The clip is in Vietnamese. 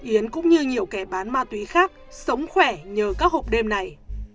yến cũng như nhiều kẻ bán ma túy khác sống khỏe nhờ các hộp đêm này